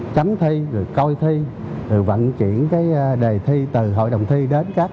sức khỏe không tốt